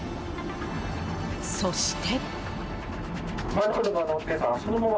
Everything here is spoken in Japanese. そして。